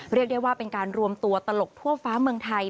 เรียกได้ว่าเป็นการรวมตัวตลกทั่วฟ้าเมืองไทย